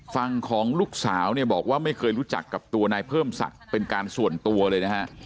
ฝั่งของลูกสาวเนี่ยบอกว่าไม่เคยรู้จักกับตัวนายเพิ่มศักดิ์เป็นการส่วนตัวเลยนะฮะ